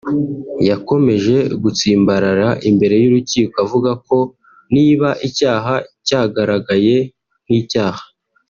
yakomeje gutsimbarara imbere y’urukiko avuga ko niba icyaha cyagaragaye nk’icyaha